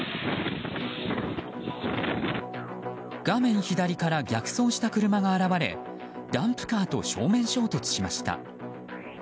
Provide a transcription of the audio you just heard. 画面左から逆走した車が現れダンプカーと正面衝突しました。